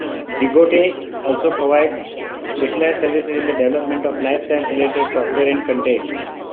Zygote also provides specialized services in the development of life science-related software and content.